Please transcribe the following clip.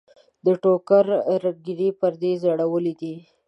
د ټوکر رنګینې پردې یې ځړېدلې دي.